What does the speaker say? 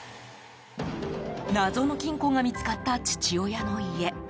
謎の金庫が見つかった父親の家。